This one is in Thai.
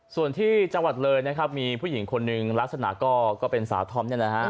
ส่วนที่จังหวัดเลยนะครับมีผู้หญิงคนหนึ่งลักษณะก็เป็นสาวธอมเนี่ยนะฮะ